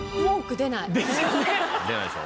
出ないでしょ？